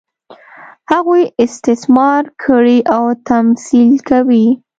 هغوی استثمار کړي او تمثیل کوي.